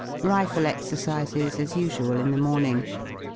Rifle exercises as usual in the morning.